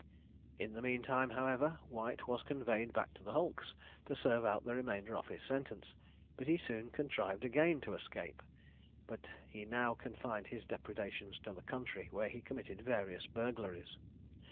In the mean time, however, White was conveyed back to the hulks to serve out the remainder of his sentence, but he soon contrived again to escape; but he now confined his depredations to the country, where he committed various burglaries.